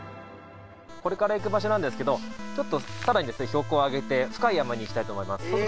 これから行く場所なんですけど、ちょっとさらに標高を上げて、深い山に行きたいと思います。